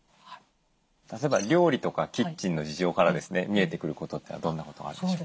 例えば料理とかキッチンの事情から見えてくることってどんなことがあるんでしょう？